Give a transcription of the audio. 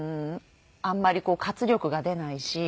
あんまりこう活力が出ないし。